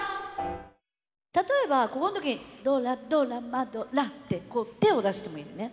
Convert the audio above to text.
例えばこの時に「ドラドラマドラ！」ってこう手を出してもいいのね。